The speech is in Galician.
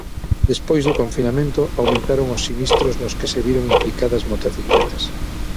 Despois do confinamento, aumentaron os sinistros nos que se viron implicadas motocicletas.